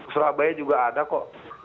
surabaya juga ada kok